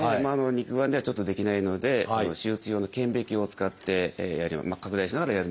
肉眼ではちょっとできないので手術用の顕微鏡を使って拡大しながらやるので大丈夫ですね。